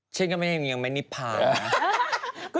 ฉันก็ไม่เห็นอย่างแม่นิพานะเออ